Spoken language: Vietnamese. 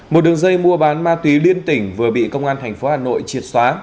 một đường dây mua bán ma túy liên tỉnh vừa bị công an thành phố hà nội triệt xóa